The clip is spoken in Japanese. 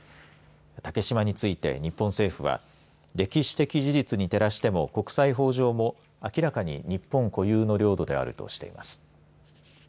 竹島について日本政府は歴史的事実に照らしても国際法上も明らかに日本固有の領土であるとしています。